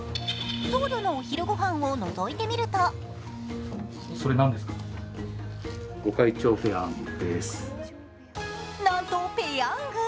僧侶のお昼御飯をのぞいてみるとなんとぺヤング。